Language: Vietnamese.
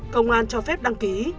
công an cho phép đăng ký